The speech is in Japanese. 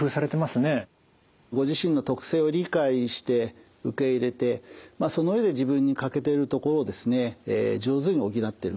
ご自身の特性を理解して受け入れてその上で自分に欠けているところを上手に補っている。